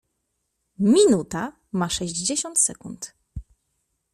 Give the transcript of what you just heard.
Minuta ma sześćdziesiąt sekund.